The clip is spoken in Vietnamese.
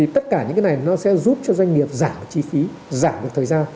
tất cả những cái này nó sẽ giúp cho doanh nghiệp giảm chi phí giảm được thời gian